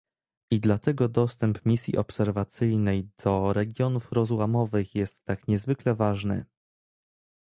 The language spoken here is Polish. I dlatego dostęp misji obserwacyjnej do regionów rozłamowych jest tak niezwykle ważny